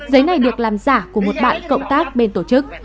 giấy này được làm giả của một bạn cộng tác bên tổ chức